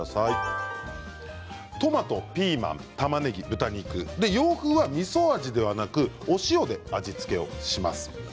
トマト、ピーマン、たまねぎ豚肉、洋風はみそ味ではなくお塩で味付けをします。